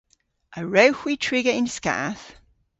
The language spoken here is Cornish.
A wrewgh hwi triga yn skath?